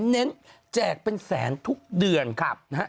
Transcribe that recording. เน้นแจกเป็นแสนทุกเดือนนะฮะ